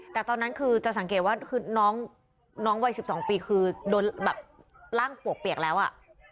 แต่ตอนนั้นคือจะสังเกตว่าคือน้องวัย๑๒ปีคือโดนแบบร่างปวกเปียกแล้วอ่ะ